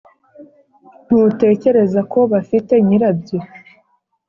ntutekereza ko bafite nyirabyo?"